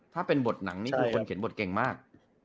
ที่เป็นบทหนังที่คนเขียนบทเก่งมาก